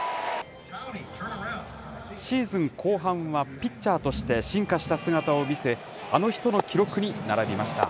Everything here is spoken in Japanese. シーズン後半は、ピッチャーとして進化した姿を見せ、あの人の記録に並びました。